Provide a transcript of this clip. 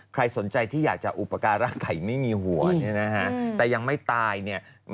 ใครสนใจที่อยากจะอุปการะไก่ไม่มีหัวแต่ยังไม่ตาย